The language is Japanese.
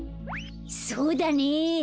そうだね！